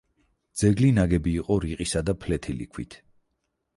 ძეგლი ნაგები იყო რიყისა და ფლეთილი ქვით.